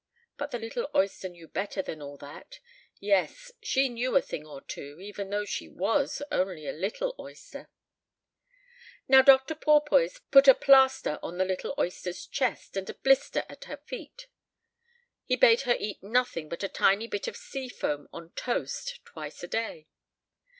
But the little oyster knew better than all that; yes, she knew a thing or two, even though she was only a little oyster. Now Dr. Porpoise put a plaster on the little oyster's chest and a blister at her feet. He bade her eat nothing but a tiny bit of sea foam on toast twice a day.